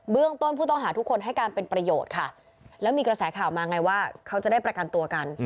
ต้นผู้ต้องหาทุกคนให้การเป็นประโยชน์ค่ะแล้วมีกระแสข่าวมาไงว่าเขาจะได้ประกันตัวกัน